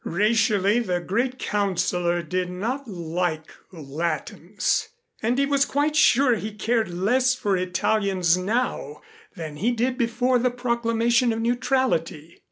Racially, the great Councilor did not like Latins, and he was quite sure he cared less for Italians now than he did before the proclamation of neutrality.